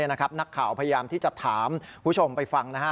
นักข่าวพยายามที่จะถามผู้ชมไปฟัง